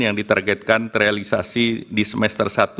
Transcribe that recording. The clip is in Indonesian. yang ditargetkan terrealisasi di semester satu dua ribu dua puluh empat